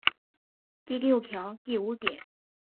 第六条第五点